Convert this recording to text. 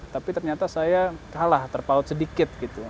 tapi ternyata saya kalah terpaut sedikit gitu